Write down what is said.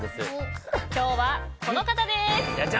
今日はこの方です！